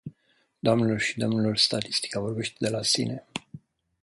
Doamnelor și domnilor, statistica vorbește de la sine.